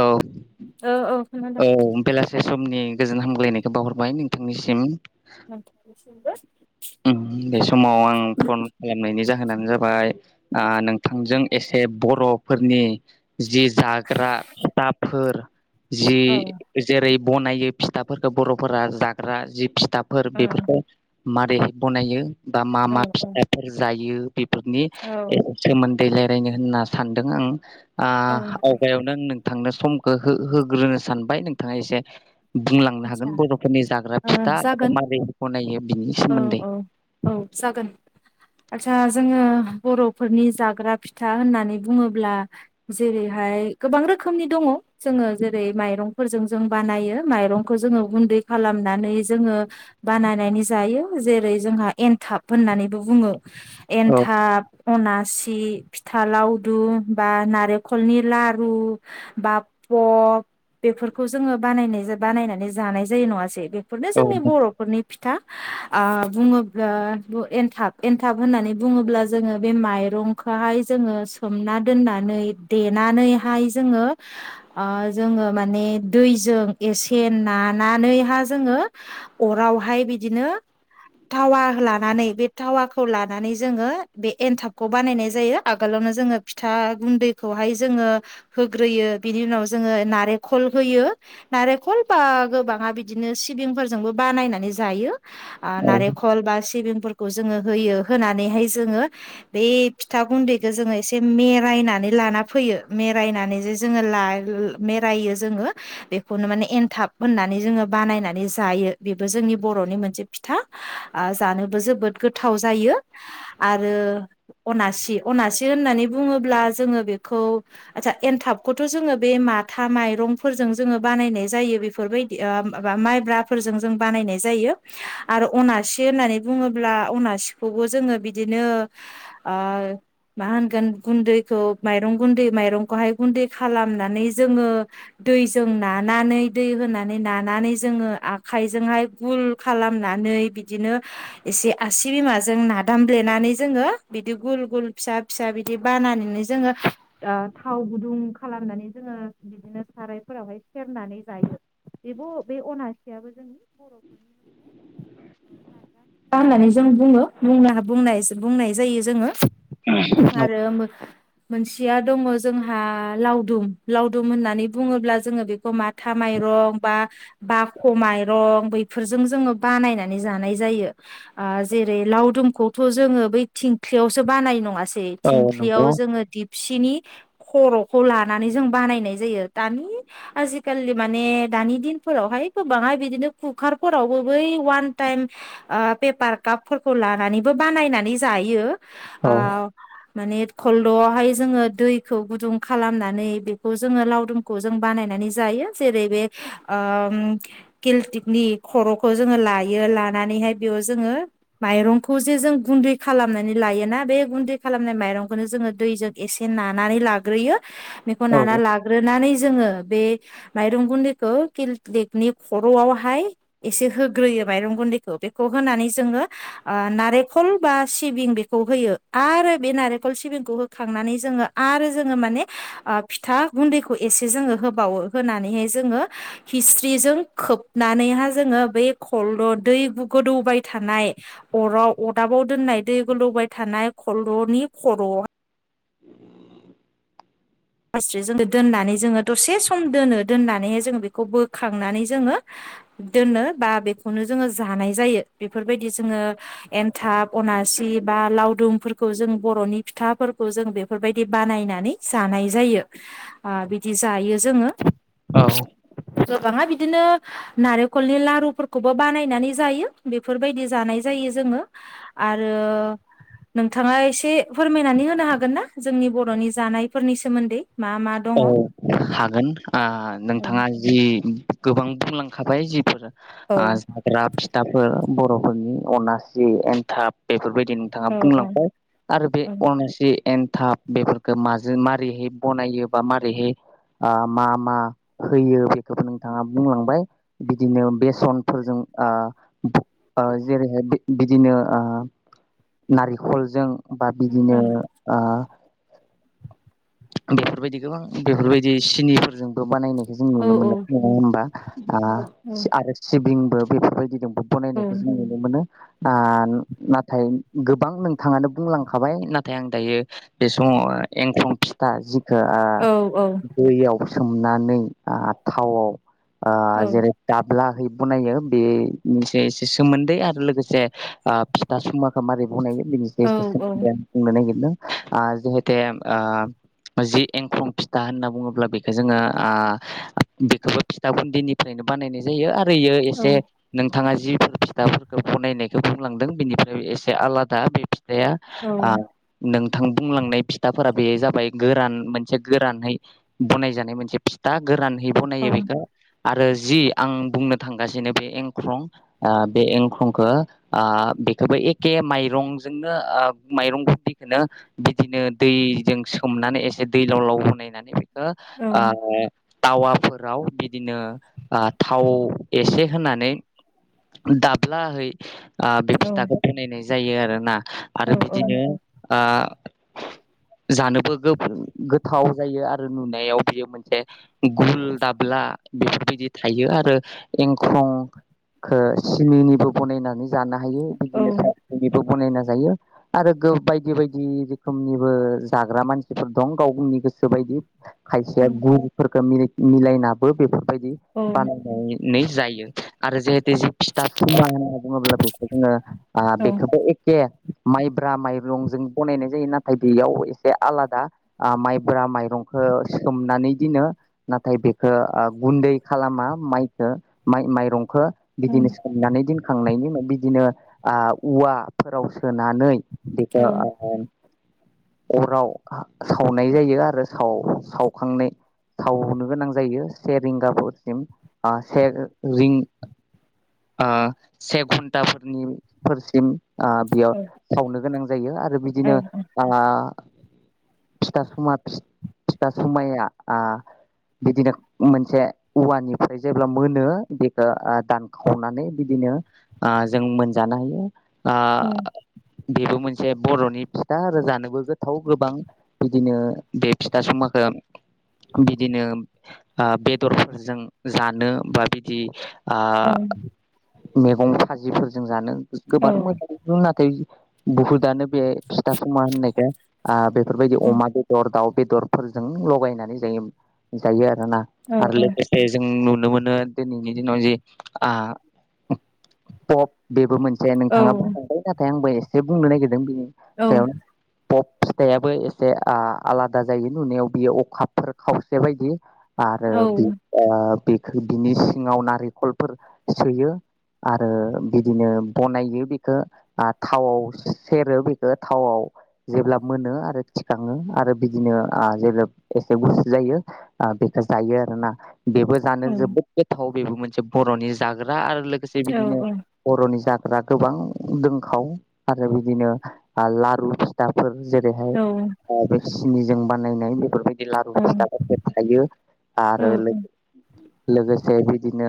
औ औऔ औ बेलासे समनि गोजोन हामग्लायनायखौ बावहरबाय नोंथांनिसिम। नोंथांनिसिमबो बे समाव आं फन खालामनायनि जा होनानो जाबाय ओक्षनोंथांजों एसे बर'फोरनि जि जाग्रा हुदाफोर जि औ जेरै बनायो फिथाफोरखौ बर'फोरा जाग्रा जि फिथा फोर औ बेफोरखौ मारैहाय बनायो बा मा औ मा औ फिथफोर जायो बेफोरनि औ सोमोन्दै रायजलायनो होनना सानदों आं औ ओ आवगायावनो आं नोंथांनो समखौ होग्रोनो सानबाय नोंथाङा एसे बुंलांनो आदसा हागोन बर'फोरनि जाग्रा ओ फिथा आरो जागोन मारै बानायो बिनि औ सोमोन्दै? औ औ जागोन। आदसा जोङो बर'फोरनि जाग्रा फिथा होननानै बुङोब्ला जेरैहाय गोबां रोखोमनि दङ जोङो जेरै मायरंफोरजों जों बानायायो मायरंखौ जोङो गुन्दै खालामनानै जोङो बानायनायनि जायो जेरै जोंहा एनथाब होननानैबो बुङो। औ एनथाब अनासि, फिथा लावदुम, बा नारेंखलनि लारु, बा सप बेफोरखौ जोङो बानाय बानायनानै जानाय जायो नङासै बेफोरनो औ जोंनि बर'फोरनि फिथा। ओ बुङोब्ला एनथाब एनथाब होननानै बुङोब्ला जोङो बे माइरं खोहाय जोङो सोमना दोननानै देनानैहाय जोङो ओ जोङो माने दैजों एसे नांनानैहाय जोङो अरावहाय बिदिनो थावा लानानै बे थावाखौ लानानै जोङो बे एन्थाबखौ बानायनाय जायो आगोलावनो जोङो फिथा गुन्दैखौहाय जोङो होग्रोयो बिनि उनाव जोङो नारेंखल होयो नारेंखल बा गोबाङा बिदिनो सिबिंफोरजोंबो बानायनानै जायो। आ औ नारेंखल ब सिबिंफोर खौ होयो होनानै जोङो बे फिथा गुन्दैखौ जोङो एसे मेरायनानै लाना फैयो बेरायनानै जे जोङो बेरायो जोङो बेखौनो माने एनथाब होननानै जोङो बानायनानै जायो बेबो जोंनि बर'नि मोनसे से फिथा जानोबो जोबोद गोथाव जायो, आरो अनासि अनासि होननानै बुङोब्ला जोङो बेखौ आतसा एथाबखौथ जोङ बे माथा माय माइरंफोरजों जोङो बानायनाय जायो बेफोरबायदि ओ माबा माइब्राफोरजों जों बानायनाय जायो। आरो अनासि होननानै बुङोब्ला अनासिखौबो जोङो बिदिनो ओ मा होनगोन गुन्दैखौ माइरं गुन्दै माइरंखौहाय गुन्दै खालामनानै जोङो दैजों नानानै दै होनानै नानानै जोङो आखाइजोंहाय गुल खालामनानै बिदिनो एसे आसि बिमाजों नादामब्लेनानै जोङो बिदि गुल फुल गुल फिसा फिसा बिदि बानायनानै जोङो ओ थाव गुदुं खालामनानै जोङो बिदिनो सारायफोरावहाय सेरनानै जायो। बेबो बे अनासियाबो जोंनि बर'फोरनि मोनसे [inaudible] जाग्रा होननानै जों बुङो बुंनाय जायो जोङो। आरो मो मोनसेया दङ जोंहा लावदुम, लावदुम होननानै बुङोब्ला जोङो बेखौ माथा माय रं बा बाख मायरं बैफोर जों जोङो बानायनानै जानाय जायो। जेरै लावदुमखौथ जोङो बै थेंख्लिआव सो बानाय नङासै औ थिंख्लियाव नंगौ जोङो दिपसिनि खर'खौ लानानै जों बानायनाय जायो दानि आजिखालि माने दानि दिनफोरावहाय ओय गोबांहा बिदिनो कुखार फोरावबो बै वान टाइम ओ पेपार काप फोरफोरखौ लानानैबो बानायनानै जायो। औ ओ माने खलद'आवहाय जोङो दैखौ गुदुं खालामनानै बेखौ जोङो लावदुमखौ जों बानाय नै जायो जेरै बे ओ केलटिकनि खर' खौ जोङो लायो लानानैहाय बेयाव जोङो माइरंखौ जे जों गुन्दै खालामनानै ला लायोना बे गुन्दै खालामनाय माइरंखौनो जोङो दैजों एसे नानानै लाग्रोयो। बेखौ औ नाना लाग्रोनानै जोङो बे माइरं गुन्दैखौ किलटेकनि खर'आवहाय एसे होग्रोयो माइरं गुन्दैखौ बेखौ होनानै जोङो ओ नारेंखल बा सिबिं बेखौ खौ होयो आरो बे नारेखल सिबिंखौ होखांनानै जोंङो आरो जोंङो माने ओ फिथा गुन्दैखौ एसे जोंङो होबावो होनानैहाय जोङो हिस्रिजों खोबनानैहा जोङो बे खल दै गोदौबाय थानाय अराव अरदाबाव दोननाय दै गोदौ बाय थानाय खलल'नि खर'आ गास्रिजों दोननानै जोङो दसे सम दोनो दोननानैहाय जोङो बेखौ बोखांनानै जोङो- दोनो बा बेखौनो जोङो जानाय जायो बेफोरबायदि जोङो एनथाब अनास- सि बा लावदुमफोरखौ जों बर'नि फिथाफोरखौ जों बेफोरबायदि बानायनानै जानाय- जायो ओ बिदि जायो जोङो। औ गोबांङा बिदिनो नारेंखलनि लारुफोरखौबो बानायनानै जायो बेफोरबायदि जानाय जायो जों- जोंङो आरो नोंथांङा एसे फोरमायनानै होनो हागोन ना जोंनि बर'नि जानायफोरनि सो औ हागोन ओ नोंथांङा जि गोबां बुंलांखाबाय जिफोर औ ओ जाग्रा फि दाफोर बर'फोरनि अनासि एनथाब बेफोरबाय दि नोंथाङा औ औ बुंलांबाय आरो बे औ अनासि एन्थाब बेफोरखो माजों मारैहै बनायो बा मारैहै ओ मा मा होयो बेखौबो नोंथाङा बुंलांबाय बिदिनो बेसनफोरजों ओ ओ जेरैहाय- बिदिनो ओ- नारिखल जों- बा बिदिनो औ ओ बेफोरबायदि गोबां बेफोरबायदि सिनिफोरजोंबो बानायनायखौ जों नुनो मोनो औ नङा होमबा ओ आरो सिबिंबो बेफोरबायदिजोंबो बनायनायखौ जों नुनो मोनो ओ नाथाय गोबां नोंथाङानो बुंलांखाबाय नाथाय आं दायो बे समाव एंखं फिथा जिखौ ओ औ दैयाव सोमनानै ओ थावआव ओ औ जेरै दाबला हैै बनायो बे मोनसे एसे सोमोन्दै आरो लोगोसे ओ फिथा सुमाखौ माबारै बनायो बिनि औ सायाव एसे औ सोमोन्दै आं बुंनो नागिरदों ओ जिहेते ओ जि एंखं फिथा होनना बुङोब्ला बेखौ जोङो ओ बेखौबो फिथा गुन्दैनिफ्रायनो बानायनाय जायो आरो होयो औ एसे नोंथाङा जिफोर फिथाफोरखौ बनायनाय बुंलांदों बेनिफ्राय एसे आलादा बे फिथाइया ओ नों थां बुंलांनाय फिथाफोरा बे जाबाय गोरान मोन मोनसे गोरानैै बनाय जानाय मोनसे फिथा गोरान औ बनायो बेखौ आरो आरो जि आं बुंनो थांगासिनो बे एंख्रं बे एंख्रंखौ ओ खोबो एखे माइरंजोंनो ओ माइरंफोरखौनो बिदिनो दैजों सोम हनानै एसे दै लाव लाव बनायनानै बेखौ औ ओ थावाफोराव बिदिनो ओ थाव एसे होनानै दाब्लाहै ओ बे फिथाखौ बनायनाय जायो आरोना औ आरो बिदिनो ओ जानोबो गो गोथाव जायो आरो नुनायाव बियो मोनसे गुल दाबला बेफोरबायदि थायो आरो एंखंखौ सिनिनिबो बनायनानै जानो हायो औ बिदिनो औ बेनिबो बनायना जायो आरो गो बायदि बायदि रोखोमनिबो जाग्रा मानसिफोर दं गावनि गोसोबायदि खायसेया गुबुनफोरखौ मि मिलायनाबो बेफोर बायदि बानायनानै जायो आरो जे जि फिथा खुमना होनना बुङोब्ला बेखौ जोङो ओ बेखौबो एखे माइब्रा माइरंजों बनायनाय जायो नाथाय बेयाव एसे आलादा ओ माइब्रा माइरंखौ सोमनानै दिनो नाथाय बेखो ओ गुन्दै खालामा माइखो माइ माइरंखो बिदिनो सोमनानै दोनखांनायनि उनाव बिदिनो आ औवाफोराव सोनानै बेखो ओ अराव सावनाय जायो आरो साव सावखांनाय सावनो गोनां जायो से रिंगाफोरसिम ओ से रिं ओ से घन्टाफोरनि फोरनि फोरसिम ओ बियाव सावनो गोनां जायो आरो बिदिनो ओ फिथा समा फिथा समाया ओ बिदिनो मोनसे औवानिफ्राय जेब्ला मोनो बेखौ ओ दानखावनानै बिदि नो ओ जों मोनजानो हायो ओ बेबो मोनसे बर'नि फिथा आरो जानोबो गोथाव गोबां बिदिनो बे फिथा समाखौ बिदिनो ओ बेदरफोरजों जानो बा बिदि ओ मैगं भाजिफोरजों जानो गोबार मोजां नाथाय बुहुदानो बे फिथा फुमा होननायखो ओ बेफोरबायदि अमा बेदर दाउ बेदरफोरजों लगायनानै जायो जायो आरोना औ आरो लोगोसे जों नु नो मोनो दिनैनि दिनाव जि ओ पप बेबो मोन से नोंथाङा औ बुंलांबाय नाथाय आंबो एसे बुंनो नागिरदों बेनि सायाव पप फिथाइया बो एसे ओ आलादा जायो नुनायाव बियो अखाफोर खावसे बायदि आरो बे ओ बिखो बिनि सिङाव नारेंखलफोर सोयो आरो बिदिनो बनायो बेखौ थावआव सेरो बेखौ थावआव जेब्ला मोनो आ रो थिखाङो आरो बिदिनो ओ जेब्ला एसे गुसु जायो ओ बेखौ जायो आरोना बेबो जानो जोबोद गोथाव बेबो मोनसे बर'नि जाग्रा आरो लोगोसे बिदिनो बर'नि जा जाग्रा गोबां दोंखाव आरो बिदिनो ओ लारु फिथाफोर जेरै औ। नि जों बानायनाय बेफोरबायदि जिलार अफिस [inaudible] थायो आरो लोगोसे लोगोसे बिदिनो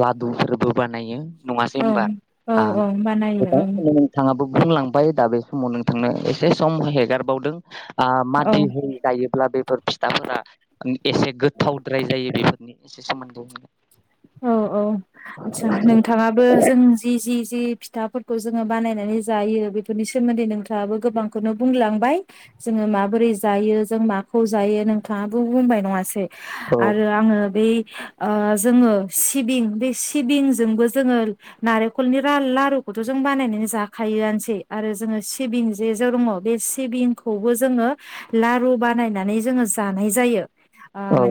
लादुफोरबो बानायो नङासै होमबा औ आ औ बानायो गोबां नोंथाङाबो बुंलांबाय दा बे समाव नोंथांनो एसे सम होहैगारबावदों ओ औ मादि हो गायोब्ला बेफोर थाफोरा एसे गोथावद्राय जायो बेफोरनि एसे सोमोन्दै औ औ आतसा नोंथाङाबो जों जि जि जि फिथाफोरखौ जोङो बानायनानै जायो बेफोरनि सोमोन्दै नोंथाङाबो गोबांखौनो बुंलांबाय जोङो माबोरै जायो जों माखौ जायो नोंथाङाबो बुंबाय नङासै औ आरो आङो बै ओ जोङो सिबिं बे सिबिंजोंबो जोङो नारेंखलनि रा लारुखौथ' जों बानायनानै जाखायो आनोसै आरो जोङो सिबिं जे‌ जो दङ बे सिबिंखौबो जोङो‌ लारु बानाय ज म ज औ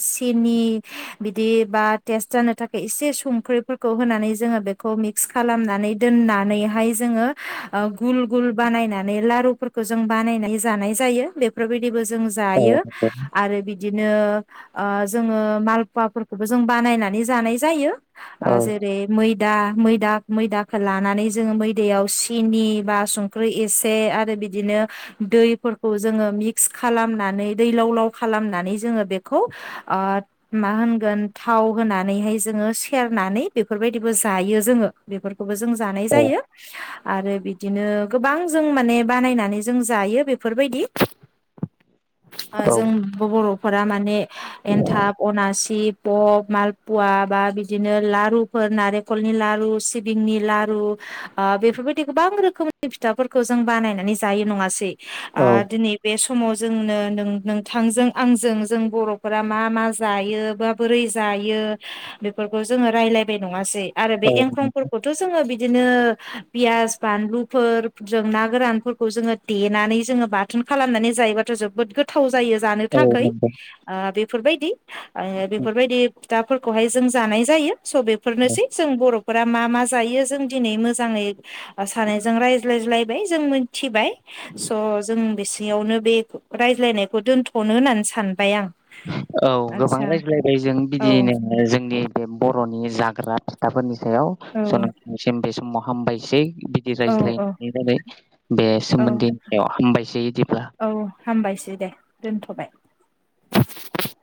सिनि बिदि बा टेस्ट जानो थाखाय एसे संख्रिफोरखौ होनानै जोङो बेखौ मिक्स खालामनानै दोननानैहाय जोङो ओ गुल गुल बानायनानै लारुफोरखो जों बानायनाय जानाय जायो बेफोरबायदिबो जों औ जायो आरो बिदिनो ओ जोङो मालपुवाफोरखौबो जों बानायनानै जानाय जायो औ जेरै मै दा म मैदाखौ लानानै जोङो मैदयाव सिनि बा संख्रि एसे आरो बिदिनो दैफोरखौ जोंङो मिक्स खालामनानै दै लाव लाव खालामनानै जोंङो बेख खौ ओद मा होनगोन थाव होनानैहाय जोंङ सेरनानै बेफोरबायदिबो जा जायो जों बेफोरखौबो जों जानाय जायो आरो बिदिनो गोबां जों माने बानायनानै जों जायो बेफोरबायदि औ जों ब बर'फोरा माने एन्थाब अनासिब पब मालपुवा बा बिदिनो लारुफोर नारेंखलनि लारु सिबिंनि लारु । ओ बेफोरबायदि गोबां रोखोमनि फिथाफोरखौ जों बानायनानै जायो नंङासै ओ दिनै बे समाव जोंनो नों नोंथांजों आंजों जों बर'ब फ्रा मा मा जायो बा बोरै जायो बेफोरखौ जोंङो राय्लायबाय नंङासै आरो बे औ एंख्रंफोरखौथ' जोंङो बि बिदिनो पियास बानलुफोर जों ना गोरानफोरखौ जोंङो देनानै जोंङो बाथोन खालामनानै जायोबाथ' जोबोद गोथाव ज जायो जानो औ थाखाय नंगौ ओ बेफोरबायदि आङो बेफोरबायदि दाफोरखौहाय जों जानाय जायो स' बेफोरनोसै जों बर' फोर मा मा जायो जों दिनै मोजांङै सानैजों रायज्लायज्लायबाय जों मिथिबाय स' जों बिसेयावनो बे रायज्लायनायखौ दोनथ'नो होननानै सानबाय आं औ गोबां आदसा रायज्लायबाय जों औ बिदिनो जोंनि बे बर'नि जाग्रा फिथाफोरनि सायाव औ स' नोंथांनिसिम बे समाव हामबायसै बिदि औ रायज्लाय औ नायै रायज्लाय बे औ सोमोन्दैनि सायाव हामबायसै बिदिब्ला औ हामबायसै दे दोनथ'बाय